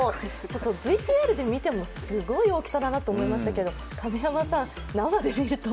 ＶＴＲでみてもすごい大きさだなと思いましたけど、神山さん、生で見ると？